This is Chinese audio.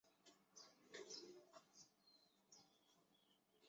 前进党的成立是利库德集团作为以色列两个主要政党之一地位的重大挑战。